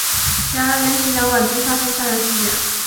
然而连续两晚均发生杀人事件。